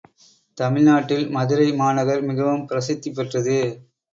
தமிழ்நாட்டில் மதுரை மாநகர் மிகவும் பிரசித்திபெற்றது.